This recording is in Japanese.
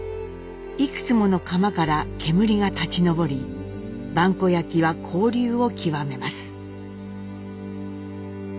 いくつもの窯から煙が立ち上り萬古焼は興隆を極めます。